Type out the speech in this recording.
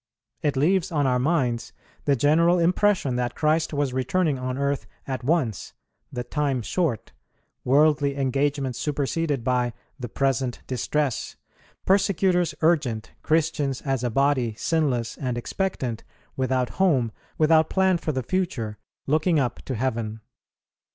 It leaves on our minds the general impression that Christ was returning on earth at once, "the time short," worldly engagements superseded by "the present distress," persecutors urgent, Christians, as a body, sinless and expectant, without home, without plan for the future, looking up to heaven.